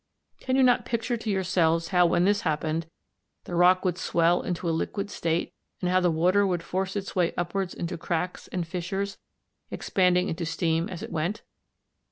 Cannot you picture to yourselves how when this happened the rock would swell into a liquid state, and how the water would force its way upwards into cracks and fissures expanding into steam as it went.